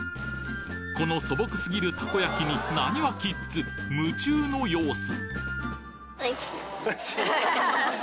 この素朴すぎるたこ焼きにナニワキッズ夢中の様子